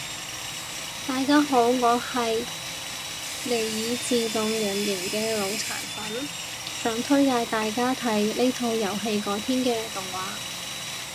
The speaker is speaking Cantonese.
大家好我係尼爾自動人形嘅腦殘粉，想推介大家睇呢套遊戲改編嘅動畫